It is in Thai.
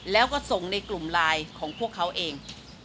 แล้วก็ส่งในกลุ่มไลน์ของพวกเขาเอง